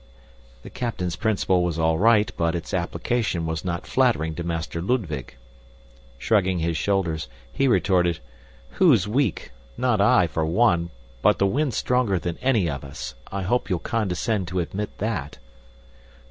The captain's principle was all right, but its application was not flattering to Master Ludwig. Shrugging his shoulders, he retorted, "Who's weak? Not I, for one, but the wind's stronger than any of us. I hope you'll condescend to admit that!"